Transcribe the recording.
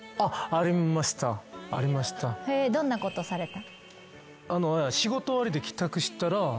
どんなことされた？